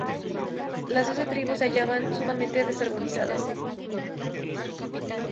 Las Doce Tribus se hallaban sumamente desorganizadas.